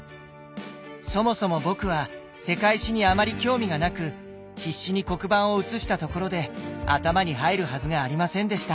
そもそも僕は世界史にあまり興味がなく必死に黒板を写したところで頭に入るはずがありませんでした。